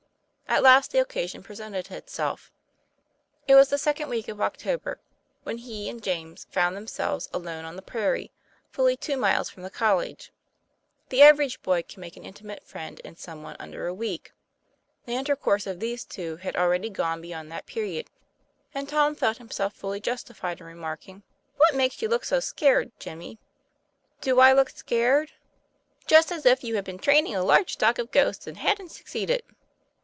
At last the occasion presented itself. It was the second week of October, whei. he and James found themselves alone on the prairie, fully two miles from the college. The average boy can make an intimate friend in something under a week. The intercourse of these two had already gone be yond that period, and Tom felt himself fully justified in remarking: "What makes you look so scared, Jimmy?" "Do I look scared?" " Just as if you had been training a large stock of ghosts, and hadn't succeeded."